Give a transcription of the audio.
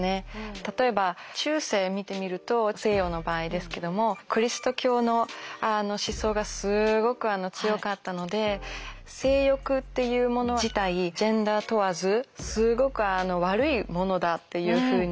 例えば中世見てみると西洋の場合ですけどもキリスト教の思想がすごく強かったので性欲っていうもの自体ジェンダー問わずすごく悪いものだっていうふうにいわれていました。